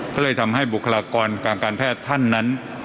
ก็เลยทำให้บุคลากรทางการแพทย์ท่านนั้น